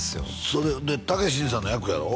それでたけしさんの役やろ？